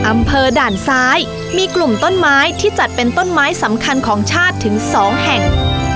อำเภอด่านซ้ายมีกลุ่มต้นไม้ที่จัดเป็นต้นไม้สำคัญของชาติถึง๒แห่ง